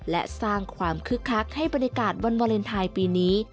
และสร้างความคึกคักให้บรรยากาศวันวาเลนไทยปีนี้